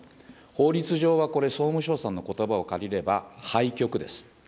法律上はこれ、総務省さんのことばを借りれば廃局です。